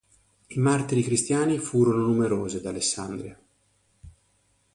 I martiri cristiani furono numerosi ad Alessandria.